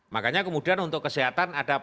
makanya kemudian untuk kesehatan ada